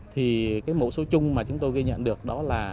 thì mẫu số chung mà chúng tôi ghi nhận được đó là